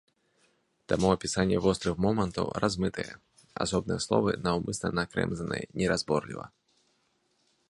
Таму апісанне вострых момантаў размытае, асобныя словы наўмысна накрэмзаныя неразборліва.